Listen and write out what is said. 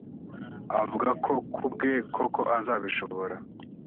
avuga ko ku bwe koko azabishobora